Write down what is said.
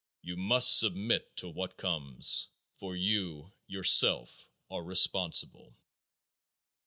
You must submit to what comes, for you yourself are responsible.